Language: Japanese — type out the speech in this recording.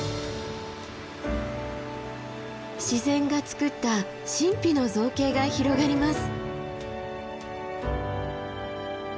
自然がつくった神秘の造形が広がります。